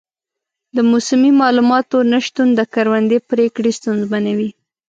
د موسمي معلوماتو نه شتون د کروندې پریکړې ستونزمنوي.